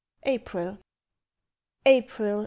APRIL April!